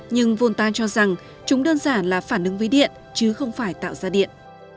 nhưng volta cho rằng chúng đơn giản là phản ứng với điện chứ không phải tạo ra điện